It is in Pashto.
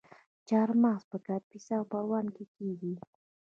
چهارمغز په کاپیسا او پروان کې کیږي.